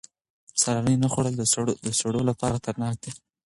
سهارنۍ نه خوړل د سړو لپاره خطرناک دي.